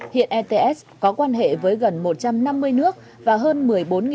hiện ets có quan hệ với gần một trăm năm mươi nước và hơn một mươi bốn tù nhân